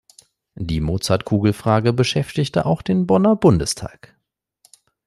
Die Mozartkugel-Frage beschäftigte auch den Bonner Bundestag.